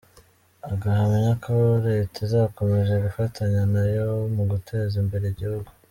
Agahamya ko Leta izakomeza gufatanya nayo mu guteza imbere igihugu.